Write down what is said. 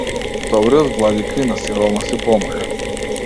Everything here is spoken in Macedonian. Добриот владика и на сиромаси помага.